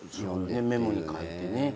メモに書いてね。